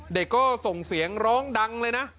เด็กก็ส่งเสียงร้องดังเลยนะ